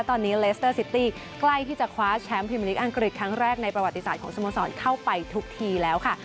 ตอนนี้เลสเตอร์ซิตี้ใกล้ที่จะคว้าแชมป์พิมพลิกอังกฤษครั้งแรกในประวัติศาสตร์ของสโมสรเข้าไปทุกทีแล้วค่ะ